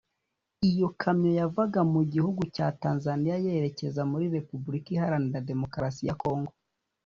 Iyi kamyo yavaga mu gihugu cya Tanzania yerekeza muri Repubulika Iharanira Demokarasi ya Congo